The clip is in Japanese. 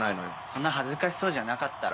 そんな恥ずかしそうじゃなかったろ。